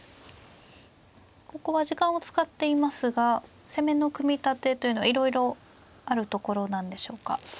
ここは時間を使っていますが攻めの組み立てというのはいろいろあるところなんでしょうか。